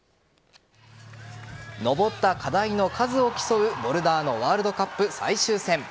登った課題の数を競うボルダーのワールドカップ最終戦。